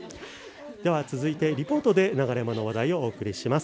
続いてリポートで流山の話題をお送りします。